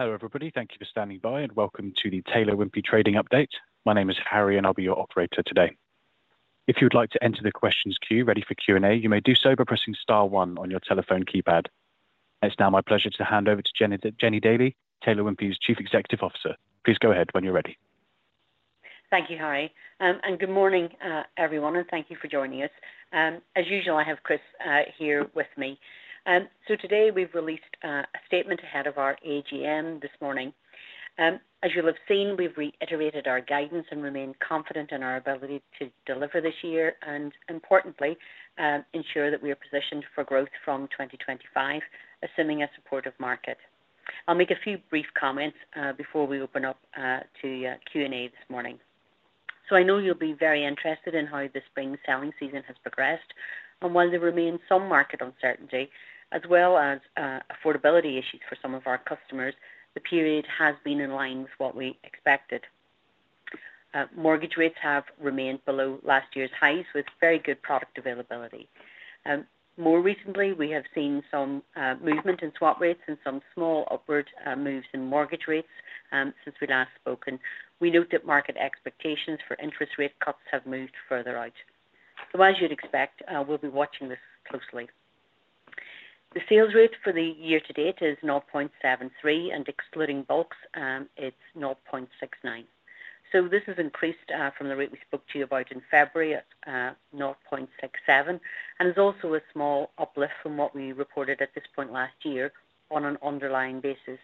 Hello, everybody. Thank you for standing by, and welcome to the Taylor Wimpey Trading Update. My name is Harry, and I'll be your operator today. If you'd like to enter the questions queue ready for Q&A, you may do so by pressing star one on your telephone keypad. It's now my pleasure to hand over to Jennie, Jennie Daly, Taylor Wimpey's Chief Executive Officer. Please go ahead when you're ready. Thank you, Harry. Good morning, everyone, and thank you for joining us. As usual, I have Chris here with me. Today we've released a statement ahead of our AGM this morning. As you'll have seen, we've reiterated our guidance and remain confident in our ability to deliver this year and importantly, ensure that we are positioned for growth from 2025, assuming a supportive market. I'll make a few brief comments before we open up to Q&A this morning. I know you'll be very interested in how this spring selling season has progressed, and while there remains some market uncertainty, as well as affordability issues for some of our customers, the period has been in line with what we expected. Mortgage rates have remained below last year's highs, with very good product availability. More recently, we have seen some movement in swap rates and some small upward moves in mortgage rates since we last spoken. We note that market expectations for interest rate cuts have moved further out. So as you'd expect, we'll be watching this closely. The sales rate for the year to date is 0.73, and excluding bulks, it's 0.69. So this has increased from the rate we spoke to you about in February at 0.67, and is also a small uplift from what we reported at this point last year on an underlying basis.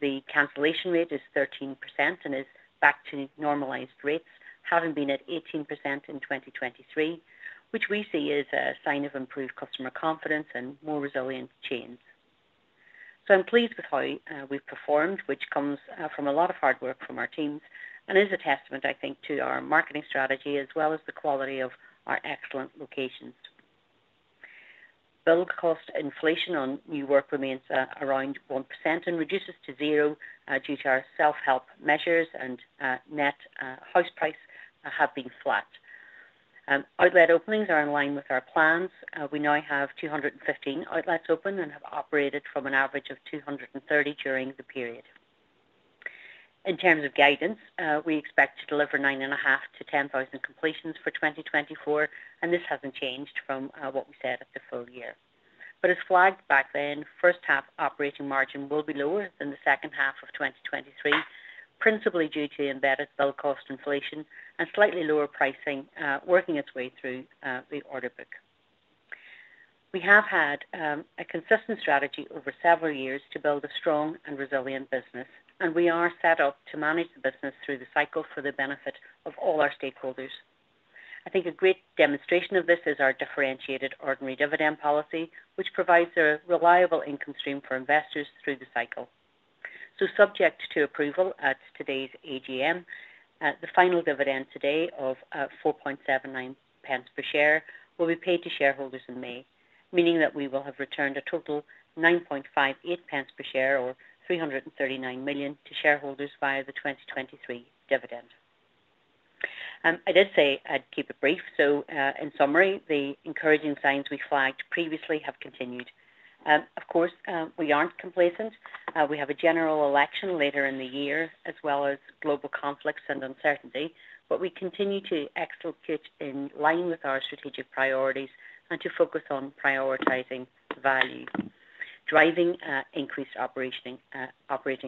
The cancellation rate is 13% and is back to normalized rates, having been at 18% in 2023, which we see as a sign of improved customer confidence and more resilient chains. So I'm pleased with how we've performed, which comes from a lot of hard work from our teams and is a testament, I think, to our marketing strategy, as well as the quality of our excellent locations. Build cost inflation on new work remains around 1% and reduces to zero due to our self-help measures and net house prices have been flat. Outlet openings are in line with our plans. We now have 215 outlets open and have operated from an average of 230 during the period. In terms of guidance, we expect to deliver 9,500-10,000 completions for 2024, and this hasn't changed from what we said at the full year. But as flagged back then, first half operating margin will be lower than the second half of 2023, principally due to the embedded build cost inflation and slightly lower pricing, working its way through, the order book. We have had, a consistent strategy over several years to build a strong and resilient business, and we are set up to manage the business through the cycle for the benefit of all our stakeholders. I think a great demonstration of this is our differentiated ordinary dividend policy, which provides a reliable income stream for investors through the cycle. Subject to approval at today's AGM, the final dividend of 0.0479 per share will be paid to shareholders in May, meaning that we will have returned a total 0.0958 per share or 339 million to shareholders via the 2023 dividend. I did say I'd keep it brief, so in summary, the encouraging signs we flagged previously have continued. Of course, we aren't complacent. We have a general election later in the year, as well as global conflicts and uncertainty, but we continue to execute in line with our strategic priorities and to focus on prioritizing value, driving increased operating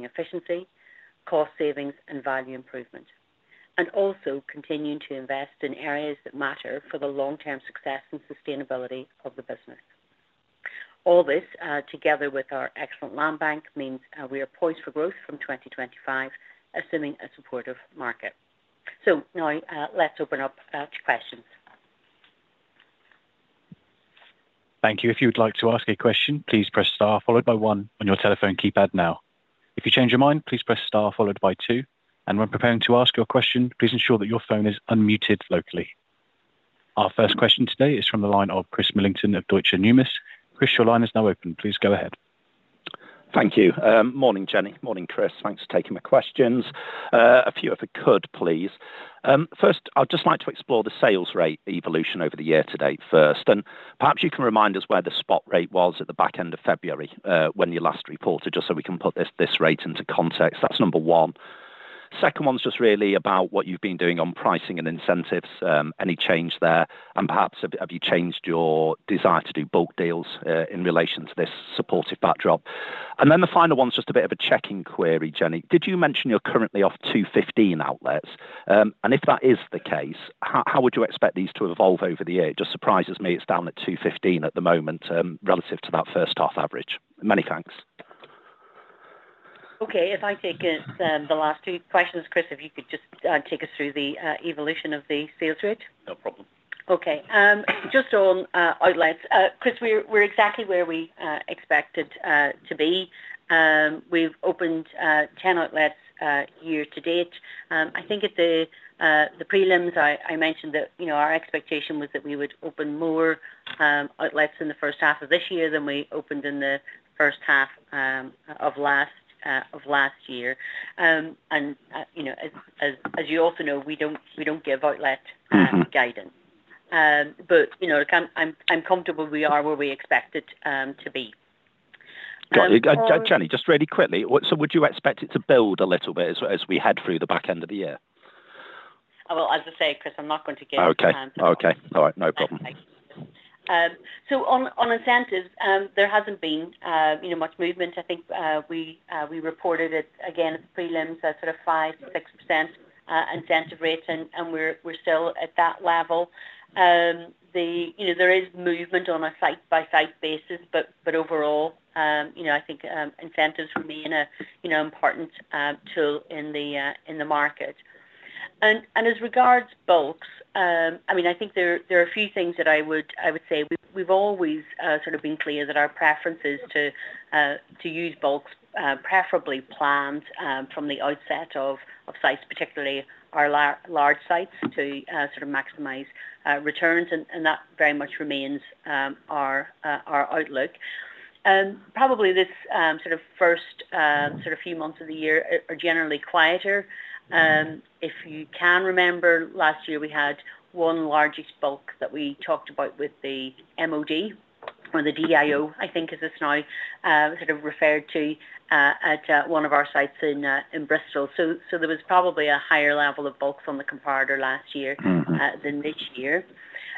efficiency, cost savings, and value improvement, and also continuing to invest in areas that matter for the long-term success and sustainability of the business. All this, together with our excellent land bank, means we are poised for growth from 2025, assuming a supportive market. So now, let's open up to questions. Thank you. If you would like to ask a question, please press star, followed by one on your telephone keypad now. If you change your mind, please press star, followed by two, and when preparing to ask your question, please ensure that your phone is unmuted locally. Our first question today is from the line of Chris Millington of Deutsche Numis. Chris, your line is now open. Please go ahead. Thank you. Morning, Jennie. Morning, Chris. Thanks for taking my questions. A few, if I could, please. First, I'd just like to explore the sales rate evolution over the year to date first, and perhaps you can remind us where the spot rate was at the back end of February, when you last reported, just so we can put this rate into context. That's number one. Second one is just really about what you've been doing on pricing and incentives. Any change there? And perhaps, have you changed your desire to do bulk deals, in relation to this supportive backdrop? And then the final one is just a bit of a checking query, Jennie. Did you mention you're currently at 215 outlets? And if that is the case, how would you expect these to evolve over the year? Just surprises me it's down at 215 at the moment, relative to that first half average. Many thanks. Okay. If I take it, the last two questions, Chris, if you could just take us through the evolution of the sales rate. No problem. Okay, just on outlets, Chris, we're exactly where we expected to be. We've opened 10 outlets year to date. I think at the prelims, I mentioned that, you know, our expectation was that we would open more outlets in the first half of this year than we opened in the first half of last year. And you know, as you also know, we don't give outlet guidance. But you know, I'm comfortable we are where we expected to be. Jennie, just really quickly, so would you expect it to build a little bit as we head through the back end of the year? Well, as I say, Chris, I'm not going to give- Okay. Okay. All right. No problem. So on incentives, there hasn't been, you know, much movement. I think, we reported it again at the prelims, a sort of 5%-6% incentive rate, and we're still at that level. You know, there is movement on a site-by-site basis, but overall, you know, I think, incentives remain a, you know, important tool in the market. And as regards bulks, I mean, I think there are a few things that I would say we've always sort of been clear that our preference is to use bulks, preferably planned, from the outset of sites, particularly our large sites, to sort of maximize returns, and that very much remains our outlook. Probably this sort of first sort of few months of the year are generally quieter. If you can remember, last year, we had one largest bulk that we talked about with the MoD or the DIO, I think as it's now sort of referred to, at one of our sites in Bristol. So there was probably a higher level of bulks on the comparator last year- Mm-hmm... than this year.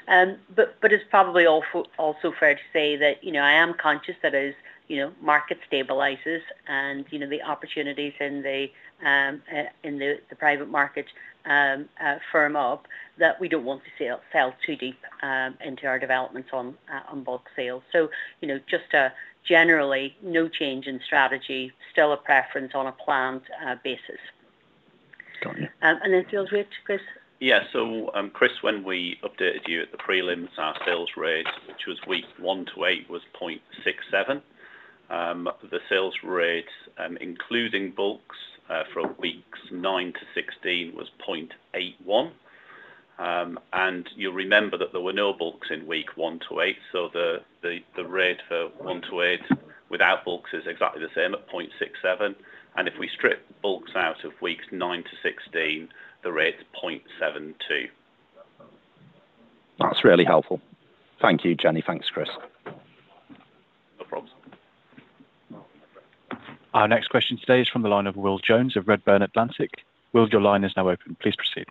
But it's probably also fair to say that, you know, I am conscious that as, you know, the market stabilizes and, you know, the opportunities in the private market firm up, that we don't want to sell too deep into our developments on bulk sales. So, you know, just generally no change in strategy, still a preference on a planned basis. Got you. And then sales rates, Chris? Yeah. So, Chris, when we updated you at the prelims, our sales rate, which was week 1-8, was 0.67. The sales rate, including bulks, from weeks 9-16 was 0.81. And you'll remember that there were no bulks in week 1-8, so the rate for 1-8 without bulks is exactly the same at 0.67. And if we strip bulks out of weeks 9-16, the rate is 0.72. That's really helpful. Thank you, Jennie. Thanks, Chris. No problems. Our next question today is from the line of Will Jones of Redburn Atlantic. Will, your line is now open. Please proceed.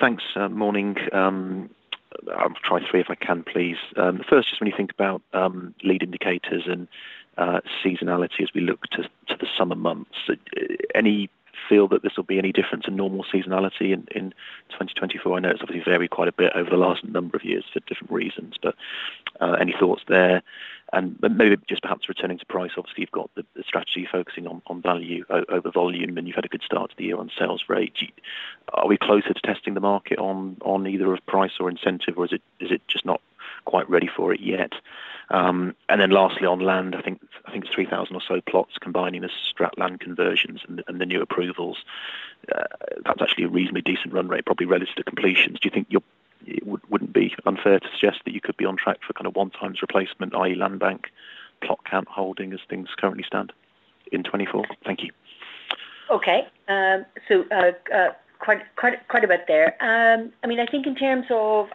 Thanks. Morning, I'll try three, if I can, please. The first is when you think about lead indicators and seasonality as we look to the summer months, any feel that this will be any different to normal seasonality in 2024? I know it's obviously varied quite a bit over the last number of years for different reasons, but any thoughts there? But maybe just perhaps returning to price. Obviously, you've got the strategy focusing on value over volume, and you've had a good start to the year on sales rate. Are we closer to testing the market on either a price or incentive, or is it just not quite ready for it yet? And then lastly, on land, I think, I think it's 3,000 or so plots combining the strat land conversions and the new approvals. That's actually a reasonably decent run rate, probably relative to completions. Do you think you're... It wouldn't be unfair to suggest that you could be on track for kind of one times replacement, i.e., land bank, plot count holding, as things currently stand in 2024? Thank you. Okay. So, quite a bit there. I mean, in terms of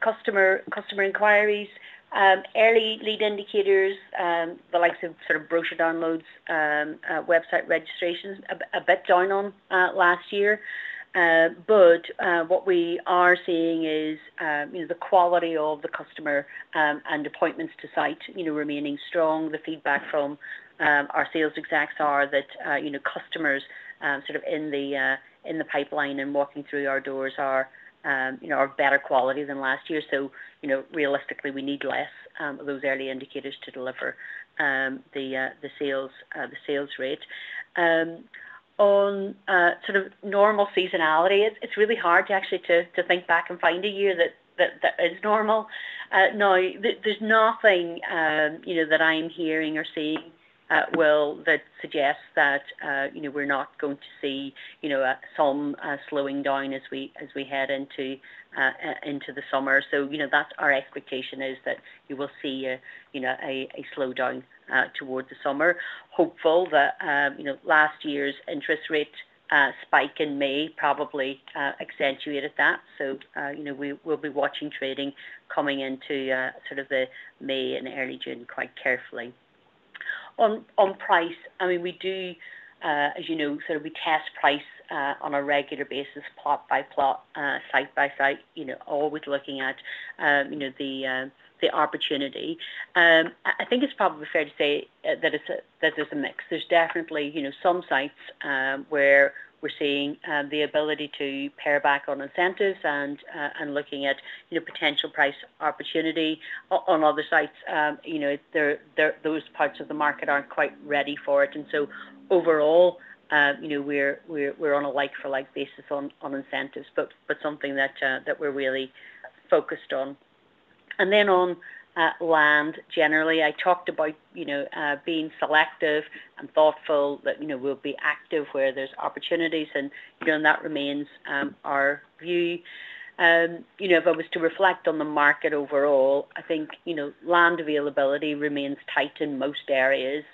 customer inquiries, early lead indicators, the likes of sort of brochure downloads, website registrations, a bit down on last year. But what we are seeing is, you know, the quality of the customer and appointments to site, you know, remaining strong. The feedback from our sales execs are that, you know, customers sort of in the pipeline and walking through our doors are, you know, are better quality than last year. So, you know, realistically, we need less of those early indicators to deliver the sales rate. On sort of normal seasonality, it's really hard to actually think back and find a year that is normal. Now, there's nothing, you know, that I'm hearing or seeing, Will, that suggests that, you know, we're not going to see, you know, some slowing down as we head into the summer. So, you know, that's our expectation, is that you will see a, you know, a slowdown towards the summer. Hopefully, you know, last year's interest rate spike in May probably accentuated that. So, you know, we'll be watching trading coming into sort of the May and early June quite carefully. On price, I mean, we do, as you know, sort of retest price on a regular basis, plot by plot, site by site, you know, always looking at, you know, the, the opportunity. I think it's probably fair to say that it's a, that there's a mix. There's definitely, you know, some sites where we're seeing the ability to pare back on incentives and looking at, you know, potential price opportunity. On other sites, you know, there, those parts of the market aren't quite ready for it. And so overall, you know, we're on a like-for-like basis on incentives, but something that we're really focused on. And then on land, generally, I talked about, you know, being selective.... and thoughtful that, you know, we'll be active where there's opportunities, and, you know, and that remains our view. You know, if I was to reflect on the market overall, I think, you know, land availability remains tight in most areas,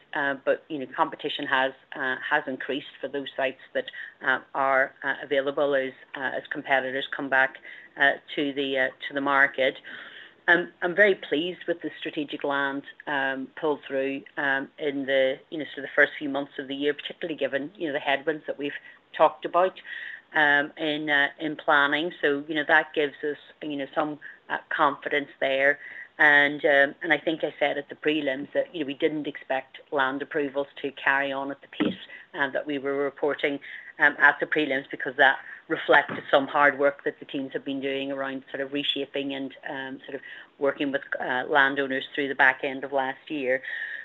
but, you know, competition has increased for those sites that are available as competitors come back to the market. I'm very pleased with the strategic land pull through in the, you know, so the first few months of the year, particularly given, you know, the headwinds that we've talked about in planning. So, you know, that gives us, you know, some confidence there. I think I said at the prelims that, you know, we didn't expect land approvals to carry on at the pace that we were reporting at the prelims, because that reflected some hard work that the teams have been doing around sort of reshaping and sort of working with landowners through the back end of last year.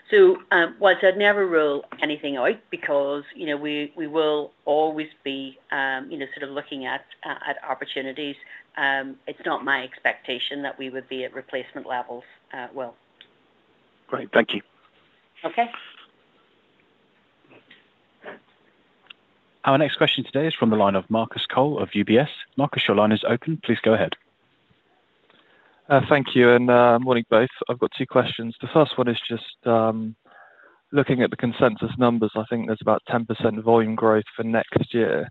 So, while I'd never rule anything out because, you know, we will always be, you know, sort of looking at opportunities, it's not my expectation that we would be at replacement levels, well. Great. Thank you. Okay. Our next question today is from the line of Marcus Cole of UBS. Marcus, your line is open. Please go ahead. Thank you, and morning, both. I've got two questions. The first one is just looking at the consensus numbers, I think there's about 10% volume growth for next year.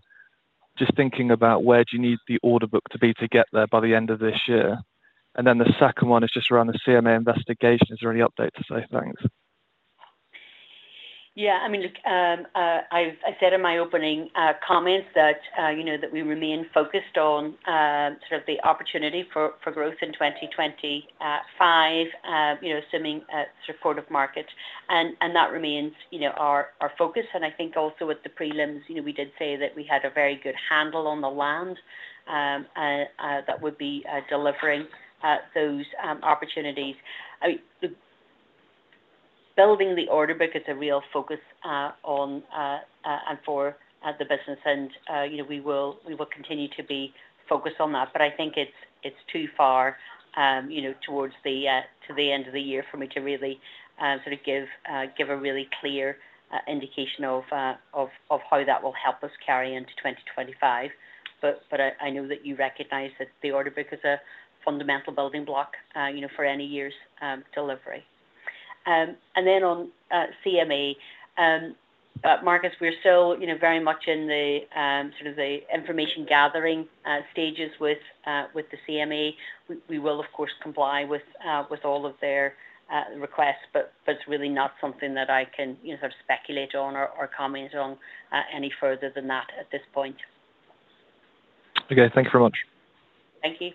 Just thinking about where do you need the order book to be to get there by the end of this year? And then the second one is just around the CMA investigation. Is there any update to say? Thanks. Yeah, I mean, look, I've said in my opening comments that, you know, that we remain focused on sort of the opportunity for growth in 2025, you know, assuming a supportive market, and that remains, you know, our focus. And I think also with the prelims, you know, we did say that we had a very good handle on the land that would be delivering those opportunities. Building the order book is a real focus on and for the business, and, you know, we will continue to be focused on that. But I think it's too far, you know, towards the end of the year for me to really sort of give a really clear indication of how that will help us carry into 2025. But I know that you recognize that the order book is a fundamental building block, you know, for any year's delivery. And then on CMA, Marcus, we're so, you know, very much in the sort of the information gathering stages with the CMA. We will, of course, comply with all of their requests, but it's really not something that I can, you know, sort of speculate on or comment on any further than that at this point. Okay, thank you very much. Thank you.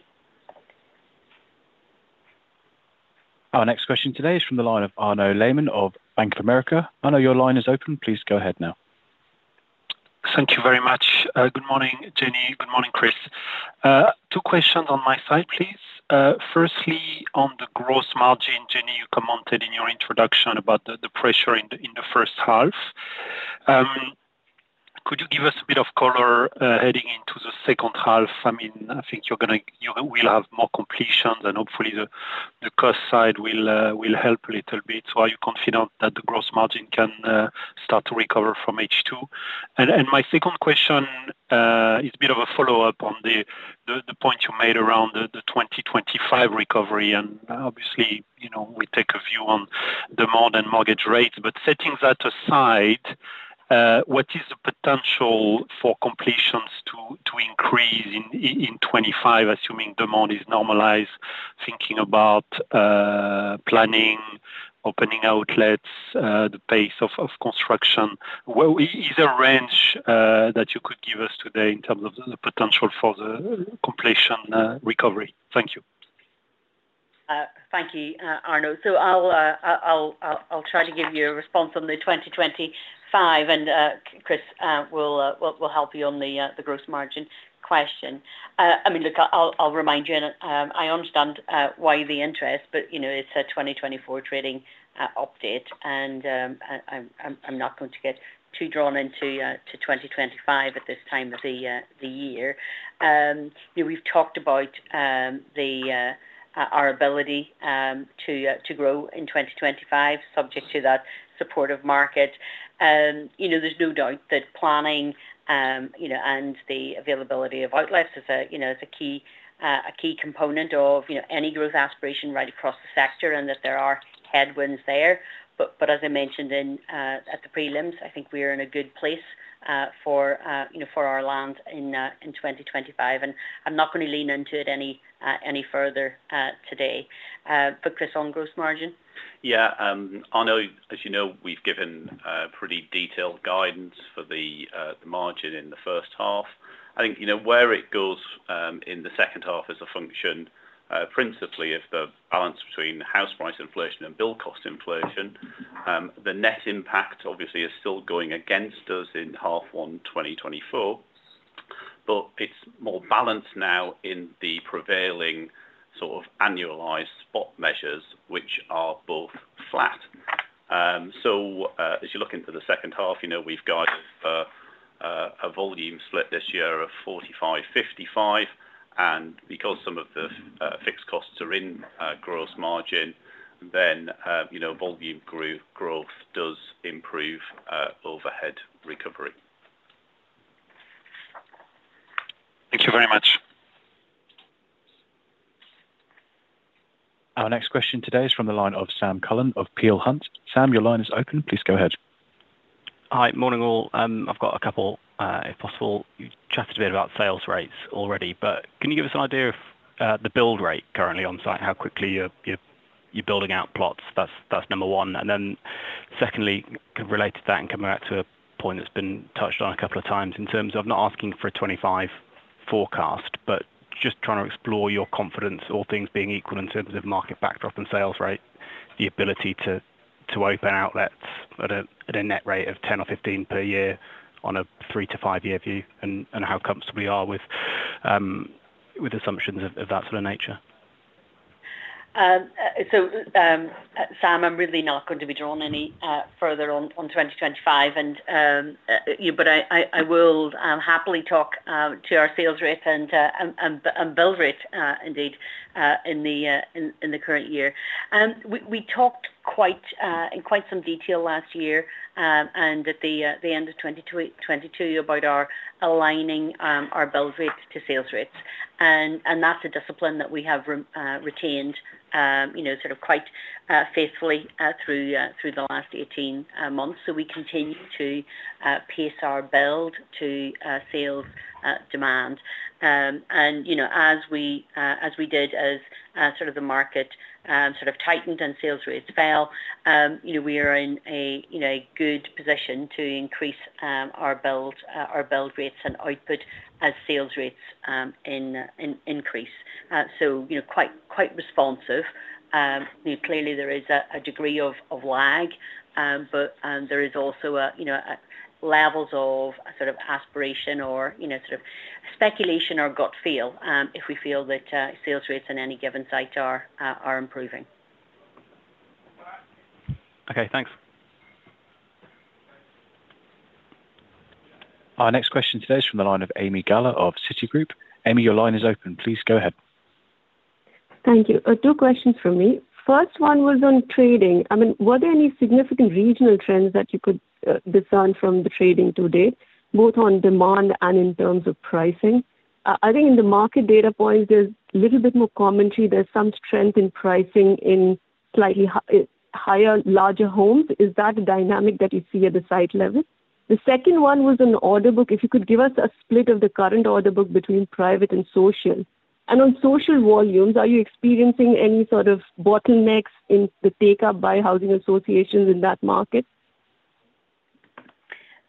Our next question today is from the line of Arnaud Lehmann of Bank of America. Arno, your line is open. Please go ahead now. Thank you very much. Good morning, Jennie. Good morning, Chris. Two questions on my side, please. Firstly, on the gross margin, Jennie, you commented in your introduction about the pressure in the first half. Could you give us a bit of color heading into the second half? I mean, I think you're gonna, you will have more completions, and hopefully the cost side will help a little bit. So are you confident that the gross margin can start to recover from H2? And my second question is a bit of a follow-up on the point you made around the 2025 recovery, and obviously, you know, we take a view on demand and mortgage rates. But setting that aside, what is the potential for completions to increase in 2025, assuming demand is normalized, thinking about planning, opening outlets, the pace of construction? What is a range that you could give us today in terms of the potential for the completion recovery? Thank you. Thank you, Arnaud. So I'll try to give you a response on the 2025, and Chris will help you on the gross margin question. I mean, look, I'll remind you, and I understand why the interest, but you know, it's a 2024 trading update, and I'm not going to get too drawn into 2025 at this time of the year. You know, we've talked about our ability to grow in 2025, subject to that supportive market. You know, there's no doubt that planning, you know, and the availability of outlets is a key component of, you know, any growth aspiration right across the sector, and that there are headwinds there. But as I mentioned at the prelims, I think we are in a good place for our land in 2025, and I'm not gonna lean into it any further today. But Chris, on gross margin? Yeah, Arnaud, as you know, we've given pretty detailed guidance for the margin in the first half. I think, you know, where it goes in the second half as a function principally if the balance between house price inflation and build cost inflation, the net impact obviously is still going against us in half one 2024, but it's more balanced now in the prevailing sort of annualized spot measures, which are both flat. So, as you look into the second half, you know, we've guided for a volume split this year of 45, 55, and because some of the fixed costs are in gross margin, then, you know, volume growth does improve overhead recovery. Thank you very much. Our next question today is from the line of Sam Cullen of Peel Hunt. Sam, your line is open. Please go ahead. Hi, morning, all. I've got a couple, if possible. You chatted a bit about sales rates already, but can you give us an idea of the build rate currently on site? How quickly you're building out plots? That's number one. And then secondly, kind of related to that and coming back to a point that's been touched on a couple of times in terms of not asking for a 2025 forecast, but just trying to explore your confidence, all things being equal in terms of market backdrop and sales rate, the ability to open outlets at a net rate of 10 or 15 per year on a 3-5-year view, and how comfortable you are with assumptions of that sort of nature. So, Sam, I'm really not going to be drawn any further on 2025, you know, but I will happily talk to our sales rate and build rate, indeed, in the current year. We talked quite in quite some detail last year, and at the end of 2022 about our aligning our build rates to sales rates. And that's a discipline that we have retained, you know, sort of quite faithfully, through the last 18 months. So we continue to pace our build to sales demand. And, you know, as we did, as sort of the market sort of tightened and sales rates fell, you know, we are in a, you know, a good position to increase our build rates and output as sales rates increase. So, you know, quite responsive. Clearly there is a degree of lag, but there is also a, you know, levels of a sort of aspiration or, you know, sort of speculation or gut feel, if we feel that sales rates in any given site are improving. Okay, thanks. Our next question today is from the line of Ami Galla of Citigroup. Ami, your line is open. Please go ahead. Thank you. Two questions from me. First one was on trading. I mean, were there any significant regional trends that you could discern from the trading to date, both on demand and in terms of pricing? I think in the market data point, there's a little bit more commentary. There's some strength in pricing in slightly higher, larger homes. Is that a dynamic that you see at the site level? The second one was on the order book. If you could give us a split of the current order book between private and social. And on social volumes, are you experiencing any sort of bottlenecks in the take-up by housing associations in that market?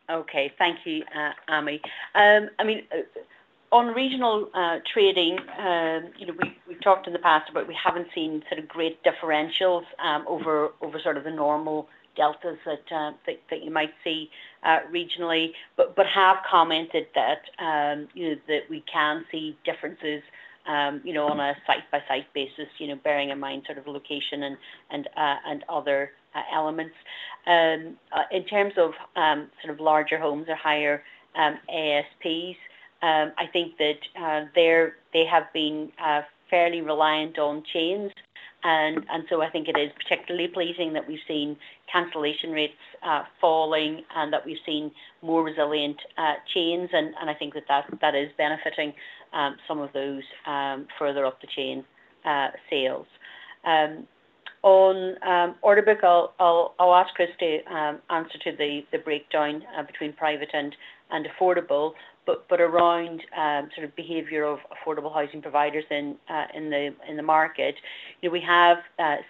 Okay. Thank you, Ami. I mean, on regional trading, you know, we, we've talked in the past, but we haven't seen sort of great differentials, over sort of the normal deltas that you might see regionally, but have commented that, you know, that we can see differences, you know, on a site-by-site basis, you know, bearing in mind sort of location and other elements. In terms of sort of larger homes or higher ASPs, I think that they're, they have been fairly reliant on chains, and so I think it is particularly pleasing that we've seen cancellation rates falling and that we've seen more resilient chains, and I think that that is benefiting some of those further up the chain sales. On order book, I'll ask Chris to answer to the breakdown between private and affordable, but around sort of behavior of affordable housing providers in the market, you know, we have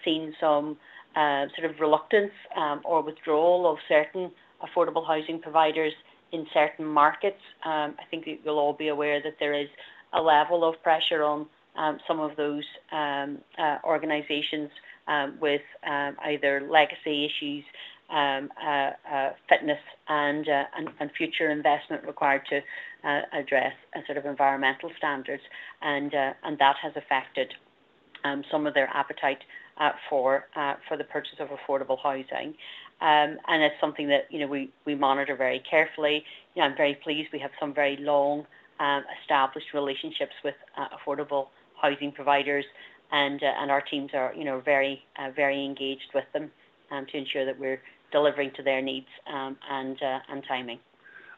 seen some sort of reluctance or withdrawal of certain affordable housing providers in certain markets. I think you'll all be aware that there is a level of pressure on some of those organizations with either legacy issues, fitness and future investment required to address a sort of environmental standards, and that has affected some of their appetite for the purchase of affordable housing. And it's something that, you know, we monitor very carefully. You know, I'm very pleased we have some very long established relationships with affordable housing providers, and our teams are, you know, very very engaged with them to ensure that we're delivering to their needs, and timing.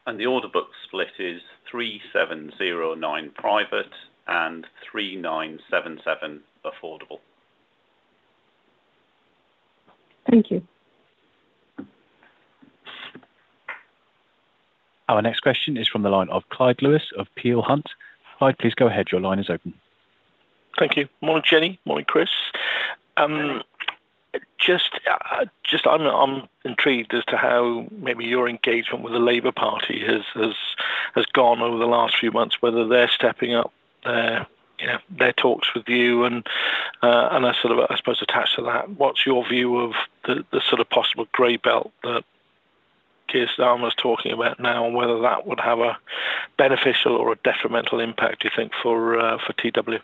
The order book split is 3709 private and 3977 affordable. Thank you. Our next question is from the line of Clyde Lewis of Peel Hunt. Clyde, please go ahead. Your line is open. Thank you. Morning, Jennie. Morning, Chris. Just, I'm intrigued as to how maybe your engagement with the Labour Party has gone over the last few months, whether they're stepping up their, you know, their talks with you and I sort of, I suppose, attached to that, what's your view of the sort of possible grey belt that Keir Starmer is talking about now, and whether that would have a beneficial or a detrimental impact, you think, for TW? ...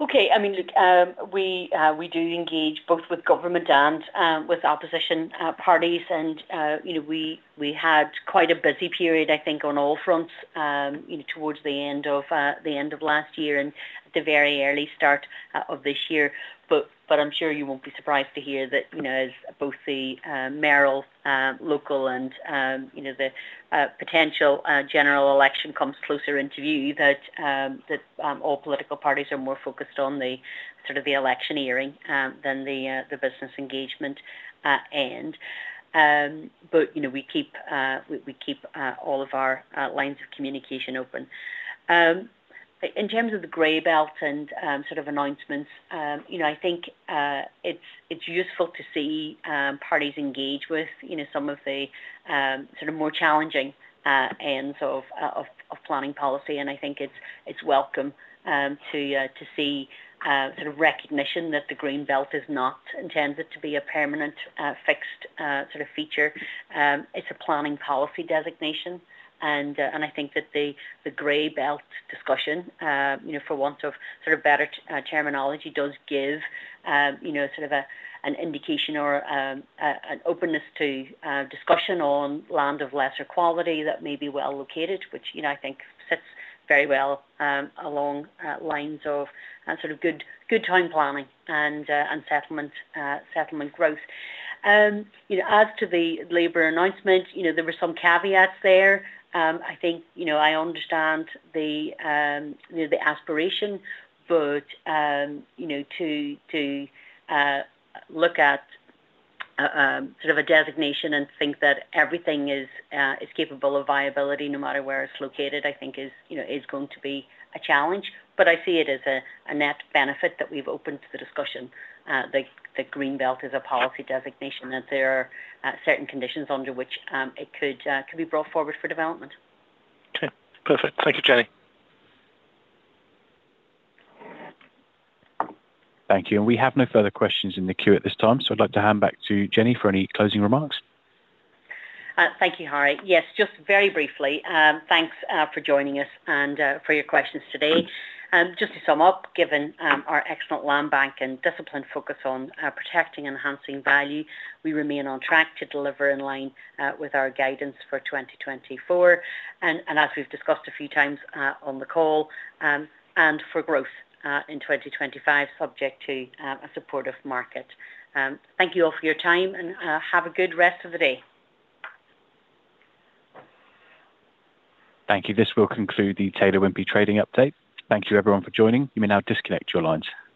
Okay, I mean, look, we do engage both with government and with opposition parties. And you know, we had quite a busy period, I think, on all fronts, you know, towards the end of last year and the very early start of this year. But I'm sure you won't be surprised to hear that, you know, as both the mayoral, local and you know, the potential general election comes closer into view, that all political parties are more focused on the sort of the electioneering than the business engagement end. But you know, we keep all of our lines of communication open. In terms of the grey belt and sort of announcements, you know, I think it's useful to see parties engage with, you know, some of the sort of more challenging ends of planning policy. I think it's welcome to see sort of recognition that the green belt is not intended to be a permanent fixed sort of feature. It's a planning policy designation. I think that the grey belt discussion, you know, for want of sort of better terminology, does give, you know, sort of an indication or an openness to discussion on land of lesser quality that may be well located, which, you know, I think sits very well along lines of sort of good town planning and settlement growth. You know, as to the Labour announcement, you know, there were some caveats there. I think, you know, I understand the aspiration, but, you know, to look at sort of a designation and think that everything is capable of viability, no matter where it's located, I think is going to be a challenge. But I see it as a net benefit that we've opened to the discussion, the green belt is a policy designation, and there are certain conditions under which it could be brought forward for development. Okay, perfect. Thank you, Jennie. Thank you. We have no further questions in the queue at this time, so I'd like to hand back to Jennie for any closing remarks. Thank you, Harry. Yes, just very briefly, thanks for joining us and for your questions today. Just to sum up, given our excellent land bank and disciplined focus on protecting and enhancing value, we remain on track to deliver in line with our guidance for 2024. And as we've discussed a few times on the call, and for growth in 2025, subject to a supportive market. Thank you all for your time, and have a good rest of the day. Thank you. This will conclude the Taylor Wimpey trading update. Thank you, everyone, for joining. You may now disconnect your lines.